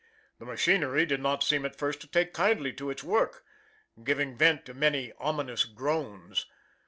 The machinery did not seem at first to take kindly to its work, giving vent to many ominous groans.